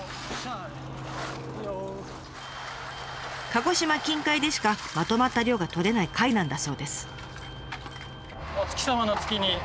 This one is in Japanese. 鹿児島近海でしかまとまった量がとれない貝なんだそうです。